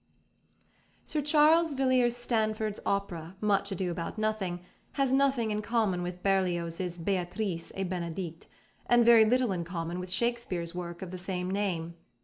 +Sir Charles Villiers Stanford's+ opera, Much Ado About Nothing, has nothing in common with Berlioz's Béatrice et Bénédict, and very little in common with Shakespeare's work of the same name.